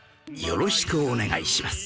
よろしくお願いします